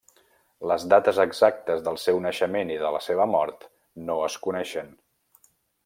Les dates exactes del seu naixement i de la seva mort no es coneixen.